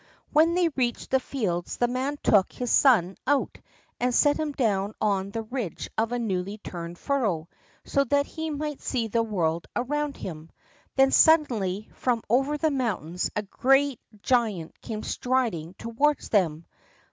When they reached the fields the man took his son out and set him down on the ridge of a newly turned furrow, so that he might see the world around him. Then suddenly from over the mountains a great giant came striding toward them.